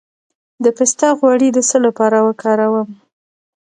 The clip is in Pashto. د پسته غوړي د څه لپاره وکاروم؟